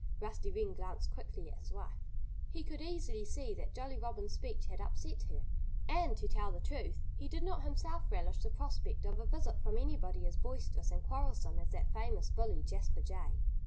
Rusty Wren glanced quickly at his wife. He could easily see that Jolly Robin's speech had upset her. And, to tell the truth, he did not himself relish the prospect of a visit from anybody as boisterous and quarrelsome as that famous bully, Jasper Jay.